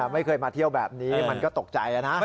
ไม่เคยมาเที่ยวแบบนี้มันก็ตกใจนะ